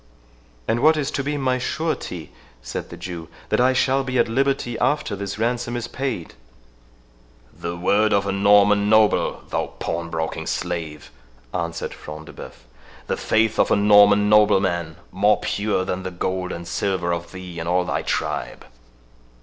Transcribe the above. "And what is to be my surety," said the Jew, "that I shall be at liberty after this ransom is paid?" "The word of a Norman noble, thou pawn broking slave," answered Front de Bœuf; "the faith of a Norman nobleman, more pure than the gold and silver of thee and all thy tribe."